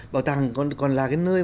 bảo tàng còn là cái nơi